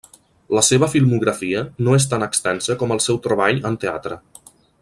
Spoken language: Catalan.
La seva filmografia no és tan extensa com el seu treball en teatre.